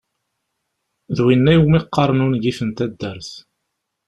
D winna iwmi qqaren ungif n taddart.